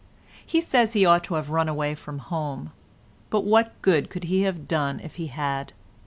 He says he ought to have run away from home. But what good could he have done if he had?